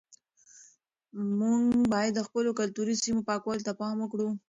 موږ باید د خپلو کلتوري سیمو پاکوالي ته پام وکړو.